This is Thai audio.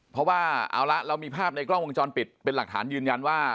เพราะว่าเอาละเรามีภาพในกล้องวงจรปิดเป็นหลักฐานยืนยันว่า